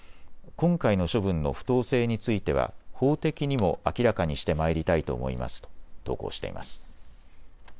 今回の処分の不当性については法的にも明らかにしてまいりたいと思いますと投稿しています。